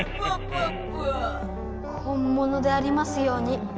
本物でありますように。